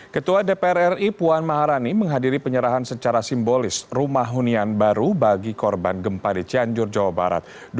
ketua dpr ri puan maharani menghadiri penyerahan secara simbolis rumah hunian baru bagi korban gempa di cianjur jawa barat